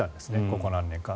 ここ何年か。